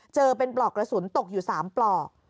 เจอเป็นปลอกกระสุนตกอยู่๓ปลอก